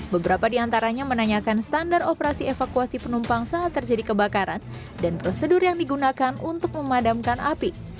beberapa di antaranya menanyakan standar operasi evakuasi penumpang saat terjadi kebakaran dan prosedur yang digunakan untuk memadamkan api